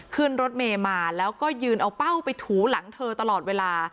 ขึ้นรถเมย์มาแล้วก็ยืนเอาเป้าไปถูหลังเธอตลอดเวลา